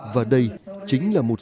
và đây chính là một